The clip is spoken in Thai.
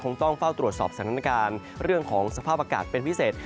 ต้องเฝ้าตรวจสอบสถานการณ์เรื่องของสภาพอากาศเป็นพิเศษ